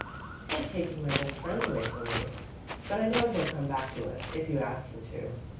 It's like taking my best friend away from me, but I know he'll come back to us, if you ask him to."